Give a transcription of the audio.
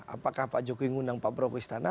apakah pak jokowi ngundang pak prabowo ke istana